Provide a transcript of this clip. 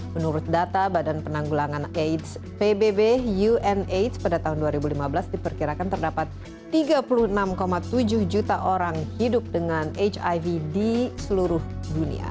menurut data badan penanggulangan aids pbb unhs pada tahun dua ribu lima belas diperkirakan terdapat tiga puluh enam tujuh juta orang hidup dengan hiv di seluruh dunia